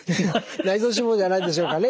内臓脂肪じゃないでしょうかね。